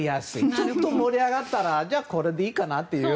ちょっと盛り上がったらじゃあ、これでいいかなって。